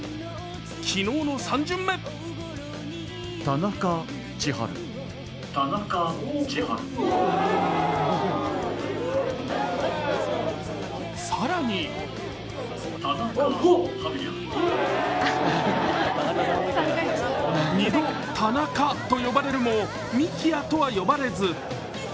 昨日、３巡目更に２度、田中と呼ばれるも幹也とは呼ばれず。